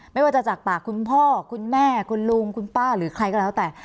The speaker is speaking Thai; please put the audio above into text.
ไม่ว่าจะจากปากคุณพ่อคุณแม่คุณลุงคุณป้าหรือใครก็แล้วแต่